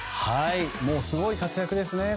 もうすごい活躍ですね。